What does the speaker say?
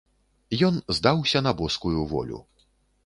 Ён здаўся на боскую волю.